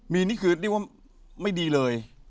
มีนนี่คือได้ว่าไม่ดีเลย